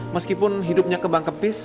meskipun hidupnya kebang kepis